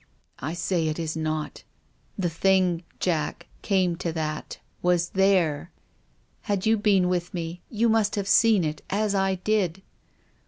" I say it is not. The thing — Jack, come to that !— was there. Had you been with me, you must have seen it as I did."